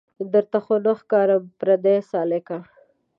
درته خو نه ښکارم پردۍ سالکه